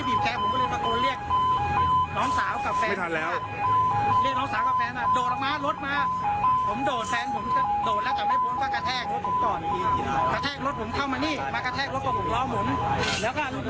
เนี่ยละค่ะคุณผู้ชมในสิทธิพล